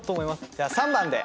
じゃあ３番で。